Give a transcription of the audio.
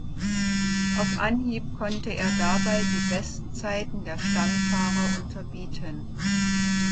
Auf Anhieb konnte er dabei die Bestzeiten der Stammfahrer unterbieten.